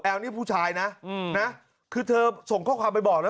แอลนี่ผู้ชายนะอืมนะคือเธอส่งข้อความไปบอกแล้ว